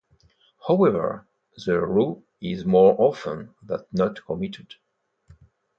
However, the roux is more often than not omitted.